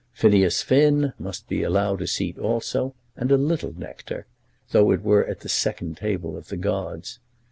Phineas Finn must be allowed a seat also, and a little nectar, though it were at the second table of the gods.